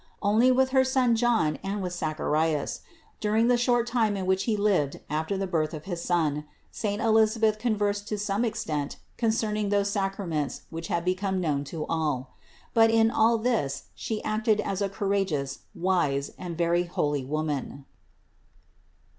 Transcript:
Only with her son John and with Zacharias, during the short time in which he lived after the birth of his son, saint Elisabeth con versed to some extent concerning those sacraments which had become known to all. But in all this she acted as a courageous, wise and very holy woman.